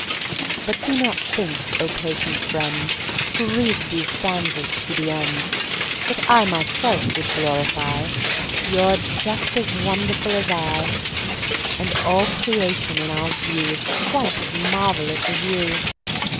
But do not think, O patient friend, Who reads these stanzas to the end, That I myself would glorify. ... You're just as wonderful as I, And all Creation in our view Is quite as marvelous as you.